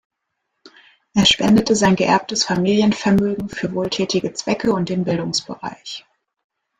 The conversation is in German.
Er spendete sein geerbtes Familienvermögen für wohltätige Zwecke und den Bildungsbereich.